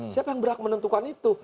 siapa yang berhak menentukan itu